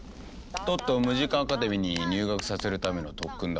トットをムジカ・アカデミーに入学させるための特訓だ。